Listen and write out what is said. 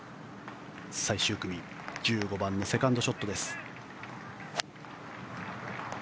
最終組、１５番のセカンドショットです。